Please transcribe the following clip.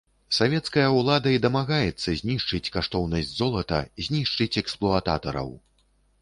Савецкая ўлада і дамагаецца знішчыць каштоўнасць золата, знішчыць эксплуататараў.